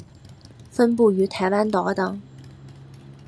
分布于台湾岛等。